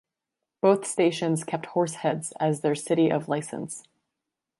Both stations kept Horseheads as their city of license.